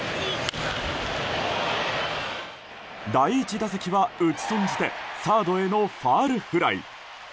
第１打席は打ち損じてサードへのファウルフライ。